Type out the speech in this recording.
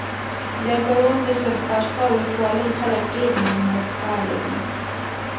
د پروان د سرخ پارسا ولسوالۍ خلک ډېر مېلمه پاله دي.